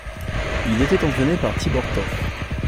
Il était entraîné par Tibor Toth.